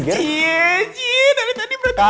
iya iya dari tadi berarti